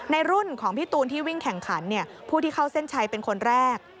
ในรุ่นของพี่ตูนที่วิ่งแข่งขันผู้ที่เข้าเส้นชัยเป็นคนแรก